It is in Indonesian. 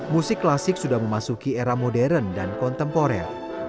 musik klasik sudah memasuki era modern dan kontemporer